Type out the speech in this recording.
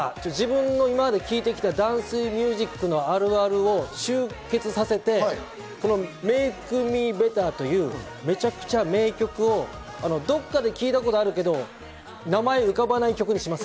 今日は自分の今まで聴いてきたナイスミュージックのあるあるを集結させて、『ＭａｋｅＭｅＢｅｔｔｅｒ』というめちゃくちゃ名曲をどこかで聞いたことあるけれども、名前が浮かばない曲にします。